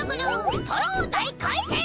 ストローだいかいてん！